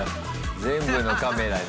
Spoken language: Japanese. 全部のカメラに。